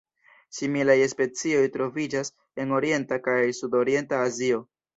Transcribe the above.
Similaj specioj troviĝas en Orienta kaj Sudorienta Azio.